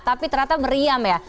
tapi ternyata meriam ya